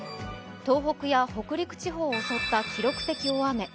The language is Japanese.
東北や北陸地方を襲った記録的な大雨。